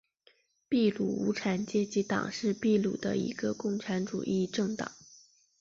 秘鲁无产阶级党是秘鲁的一个共产主义政党。